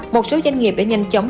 một số doanh nghiệp đã nhanh chóng